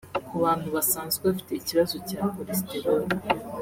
Ku bantu basanzwe bafite kibazo cya cholesterol